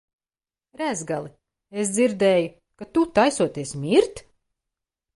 Rezgali, es dzirdēju, ka tu taisoties mirt?